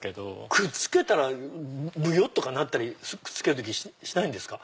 くっつけたらぶよっ！となったりくっつける時しないんですか？